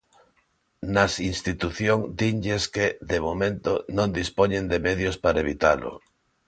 Nas institución dinlles que, de momento, non dispoñen de medios para evitalo.